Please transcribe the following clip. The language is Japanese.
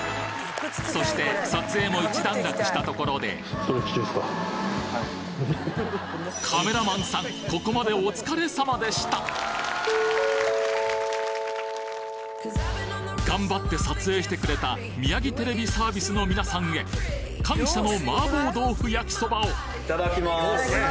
そして撮影も一段落したところでカメラマンさんここまで頑張って撮影してくれたミヤギテレビサービスの皆さんへ感謝のマーボー豆腐焼きそばを！